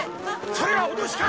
それは脅しか！